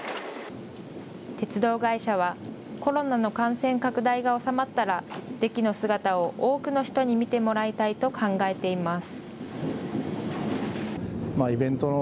鉄道会社はコロナの感染拡大が収まったらデキの姿を多くの人に見てもらいたいと考えています。